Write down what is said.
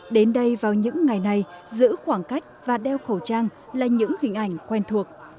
đến đây vào những ngày này giữ khoảng cách và đeo khẩu trang là những hình ảnh quen thuộc